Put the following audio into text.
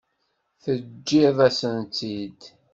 Teǧǧiḍ-asent-tt-id.